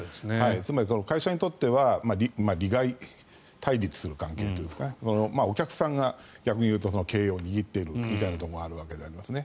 つまり、会社にとっては利害対立する関係というかお客さんが逆に言うと経営を握っているところもあるわけですね。